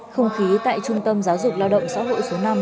không khí tại trung tâm giáo dục lao động xã hội số năm